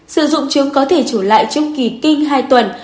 sử dụng trứng có thể trở lại trong kỳ kinh hai tuần